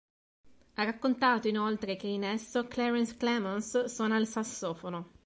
Ha raccontato inoltre che in esso Clarence Clemons suona il sassofono.